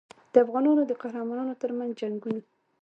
د افغانانو د قهرمانانو ترمنځ جنګونه.